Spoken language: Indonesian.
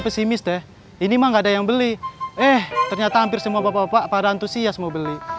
pesimis deh ini mah nggak ada yang beli eh ternyata hampir semua bapak bapak para antusias mau beli